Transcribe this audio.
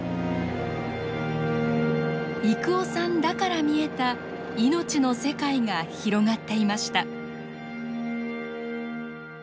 征夫さんだから見えた命の世界が広がっていました。